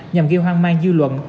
nhằm ghi hoang mang dư luận